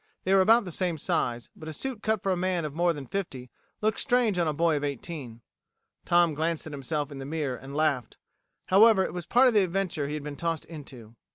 They were about the same size, but a suit cut for a man of more than fifty looks strange on a boy of eighteen. Tom glanced at himself in the mirror and laughed. However, it was part of the adventure he had been tossed into.